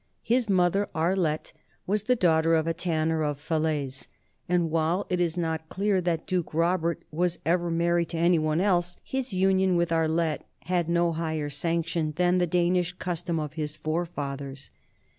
His mother Arlette was the daughter of a tanner of Falaise, and while it is not clear that Duke Robert was ever mar ried to any one else, his union with Arlette had no higher sanction than the Danish custom of his forefathers.